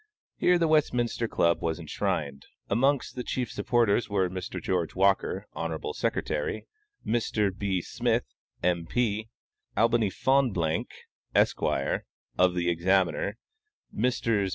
Here the Westminster Club was enshrined. Amongst the chief supporters were Mr. George Walker, Hon. Sec.; Mr. B. Smith, M. P.; Albany Fonblanque, Esq., of The Examiner; Messrs.